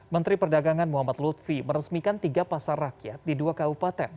menteri perdagangan muhammad lutfi meresmikan tiga pasar rakyat di dua kabupaten